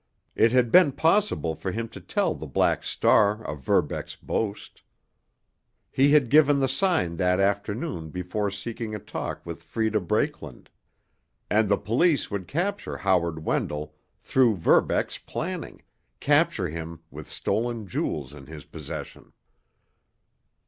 It had been possible for him to tell the Black Star of Verbeck's boast. He had given the sign that afternoon before seeking a talk with Freda Brakeland. And the police would capture Howard Wendell through Verbeck's planning, capture him with stolen jewels in his possession.